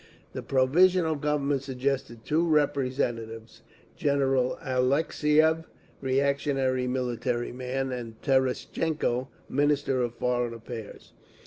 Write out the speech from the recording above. The Provisional Government suggested two representatives—General Alexeyev, reactionary military man, and Terestchenko, Minister of Foreign Affairs.